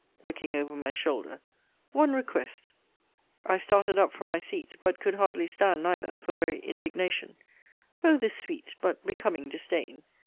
looking over my shoulder: one request [I started up from my seat; but could hardly stand neither, for very indignation] O this sweet, but becoming disdain!